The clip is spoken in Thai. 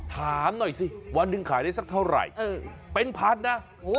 ถามหน่อยสิวันหนึ่งขายได้สักเท่าไหร่เป็นพันนะ